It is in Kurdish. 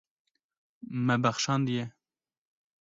Me bexşandiye.